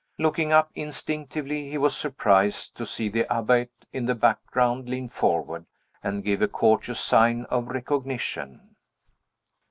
Looking up instinctively, he was surprised to see the abbate in the background lean forward and give a courteous sign of recognition.